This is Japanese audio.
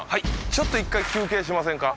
ちょっと１回休憩しませんか？